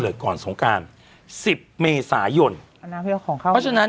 ก่อนสงการสิบเมษายนอนาคตของเขาเพราะฉะนั้น